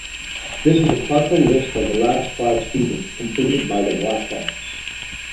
This is a partial list of the last five seasons completed by the Blackhawks.